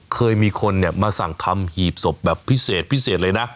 เคยมีคนมาสั่งทำหีบศพแบบพิเศษเลยนะ